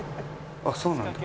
あっそうなんだ。